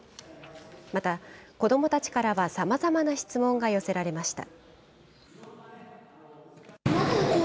また子どもたちからはさまざまな質問が寄せられました。